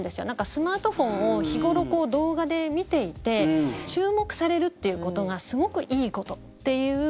スマートフォンを日頃、動画で見ていて注目されるっていうことがすごくいいことっていう。